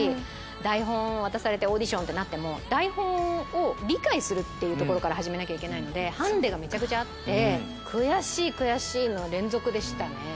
台本を渡されてオーディションってなっても台本を理解するところから始めなきゃいけないのでハンディがめちゃくちゃあって。